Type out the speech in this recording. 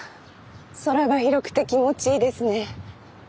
空が広くて気持ちいいですね。